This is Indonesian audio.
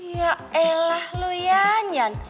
ya elah lu ian